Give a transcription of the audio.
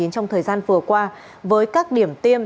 trong thời gian vừa qua với các điểm tiêm